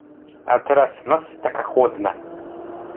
A teraz noc taka chłodna!…